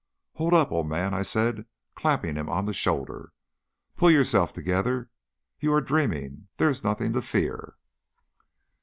"Hold up, old man," I said, clapping him on the shoulder. "Pull yourself together; you are dreaming; there is nothing to fear."